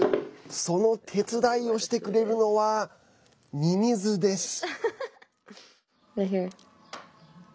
その手伝いをしてくれるのはミミズです。